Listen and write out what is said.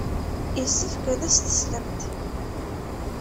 Yessefk ad as-teslemt.